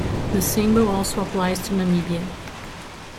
The symbol also applies to Namibia.